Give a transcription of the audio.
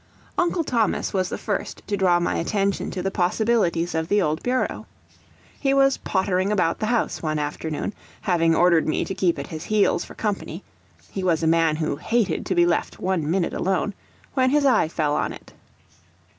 Uncle Thomas was the first to draw my attention to the possibilities of the old bureau. He was pottering about the house one afternoon, having ordered me to keep at his heels for company, he was a man who hated to be left one minute alone, when his eye fell on it.